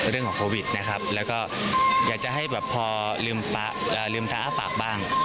เรื่องของโควิดนะครับแล้วก็อยากจะให้แบบพอลืมตาอ้าปากบ้าง